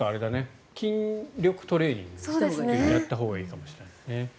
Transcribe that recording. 筋力トレーニングをやったほうがいいかもしれないね。